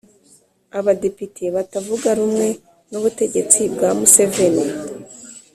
abadepite batavuga rumwe n'ubutegetsi bwa museveni